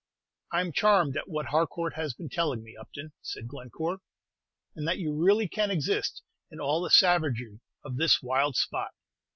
"I'm charmed at what Harcourt has been telling me, Upton," said Glencore; "and that you really can exist in all the savagery of this wild spot."